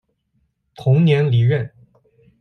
同年离任。